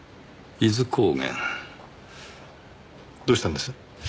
どうしたんです？